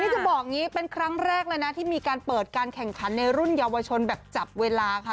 จะบอกอย่างนี้เป็นครั้งแรกเลยนะที่มีการเปิดการแข่งขันในรุ่นเยาวชนแบบจับเวลาค่ะ